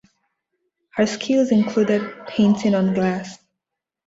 Her skills included painting on glass.